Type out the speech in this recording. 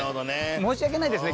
申し訳ないですね